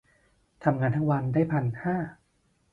ทำงานทั้งวันได้พันห้า